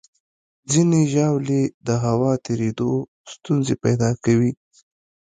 ځینې ژاولې د هوا تېرېدو ستونزې پیدا کوي.